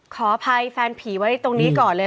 ขออภัยแฟนผีไว้ตรงนี้ก่อนเลย